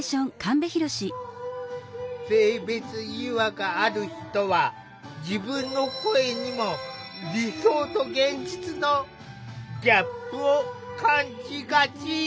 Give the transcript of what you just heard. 性別違和がある人は自分の声にも理想と現実のギャップを感じがち。